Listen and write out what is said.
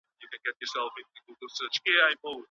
په لاس خط لیکل د نوي نسل د ویښتیا نښه ده.